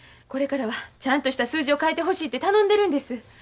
これからはちゃんとした数字を書いてほしいて頼んでるんです。